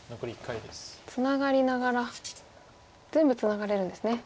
ツナがりながら全部ツナがれるんですね。